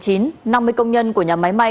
năm mươi công nhân của nhà máy may